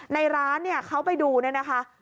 ในร้านเนี่ยเขาไปดูเนี่ยนะคะ